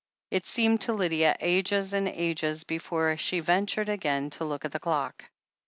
It seemed to Lydia ages and ages before she ventured again to look at the clock.